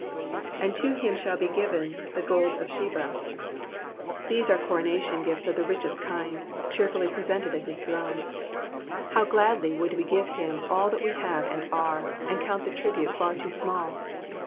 ^^And to him shall be given of the gold of Sheba.'*'' These are coronation gifts of the richest kind, cheerfully presented at his throne. How gladly would we give him all that we have and are, and count the tribute far too small.